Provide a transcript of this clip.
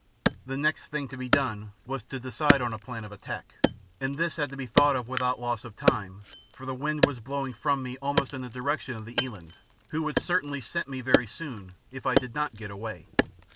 The next thing to be done was to decide on a plan of attack, and this had to be thought of without loss of time, for the wind was blowing from me almost in the direction of the eland, who would certainly scent me very soon if I did not get away.